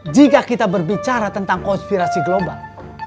jika kita berbicara tentang konspirasi global